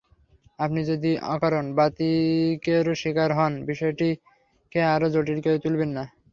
আপনি যদি অকারণ বাতিকেরও শিকার হন—বিষয়টিকে আরও জটিল করে তুলবেন না।